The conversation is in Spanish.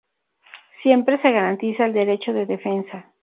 Siempre se garantiza el derecho de defensa.